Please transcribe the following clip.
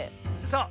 そう。